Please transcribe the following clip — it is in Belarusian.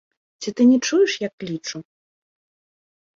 Ці ты не чуеш, як клічу?